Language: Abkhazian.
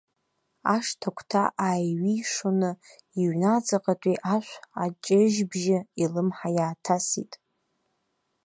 Ашҭа агәҭа ааиҩишоны, иҩны аҵаҟатәи ашә аҷыжьбжьы илымҳа иааҭасит.